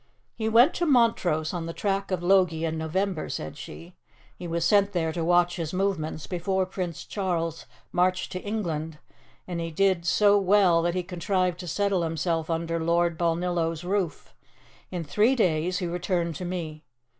"He went to Montrose on the track of Logie in November," said she; "he was sent there to watch his movements before Prince Charles marched to England, and he did so well that he contrived to settle himself under Lord Balnillo's roof. In three days he returned to me.